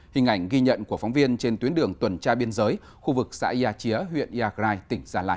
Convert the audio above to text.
hình ảnh ghi nhận của phóng viên trên tuyến đường tuần tra biên giới khu vực xã yà chía huyện iagrai tỉnh gia lai